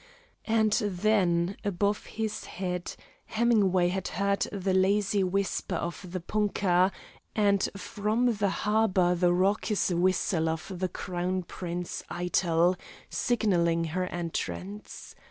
And then, above his head, Hemingway heard the lazy whisper of the punka, and from the harbor the raucous whistle of the Crown Prince Eitel, signalling her entrance.